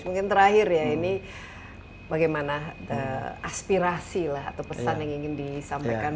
mungkin terakhir ya ini bagaimana aspirasi lah atau pesan yang ingin disampaikan